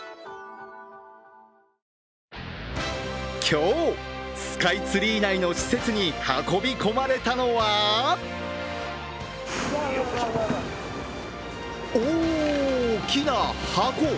今日、スカイツリー内の施設に運び込まれたのは大きな箱。